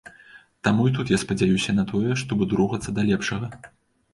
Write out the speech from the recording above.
Таму і тут я спадзяюся на тое, што буду рухацца да лепшага.